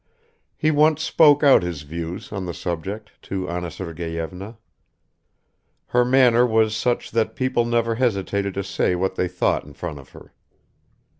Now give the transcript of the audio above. He once spoke out his views on the subject to Anna Sergeyevna. Her manner was such that people never hesitated to say what they thought in front of her.